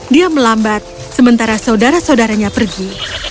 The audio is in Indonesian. dia melambat sementara saudara saudaranya pergi